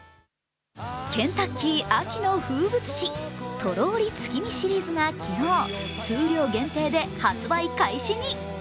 ケンタッキー、秋の風物詩とろり月見シリーズが昨日、数量限定で発売開始に。